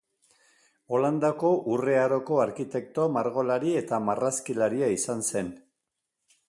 Holandako Urre Aroko arkitekto, margolari eta marrazkilaria izan zen.